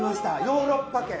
ヨーロッパ軒。